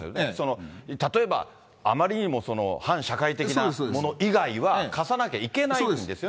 例えばあまりにも反社会的なもの以外は貸さなきゃいけないんそうです。